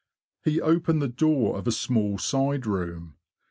He opened the door of a small side room.